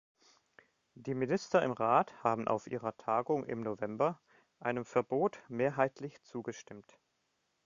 Die Minister im Rat haben auf ihrer Tagung im November einem Verbot mehrheitlich zugestimmt.